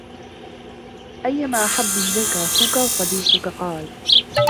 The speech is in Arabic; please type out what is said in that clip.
أَيُّمَا أَحَبُّ إلَيْك أَخُوك أَوْ صَدِيقُك ؟ قَالَ